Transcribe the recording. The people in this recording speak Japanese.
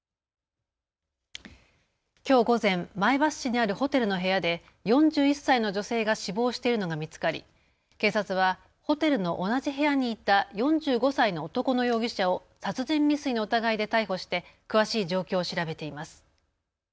きょう午前、前橋市にあるホテルの部屋で４１歳の女性が死亡しているのが見つかり警察はホテルの同じ部屋にいた４５歳の男の容疑者を殺人未遂の疑いで逮捕して詳しい状況を調べています。